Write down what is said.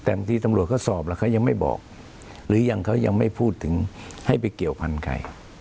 แต่บางทีตำรวจเขาสอบแล้วเขายังไม่บอกหรือยังเขายังไม่พูดถึงให้ไปเกี่ยวพันธุ์ใคร